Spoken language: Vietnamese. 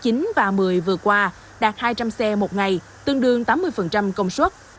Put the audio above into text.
tháng một mươi và một mươi vừa qua đạt hai trăm linh xe một ngày tương đương tám mươi công suất